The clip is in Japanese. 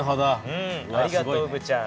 ありがとううぶちゃん。